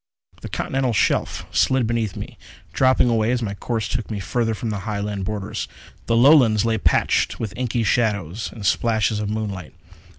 The Continental Shelf slid beneath me, dropping away as my course took me further from the Highland borders. The Lowlands lay patched with inky shadows and splashes of moonlight.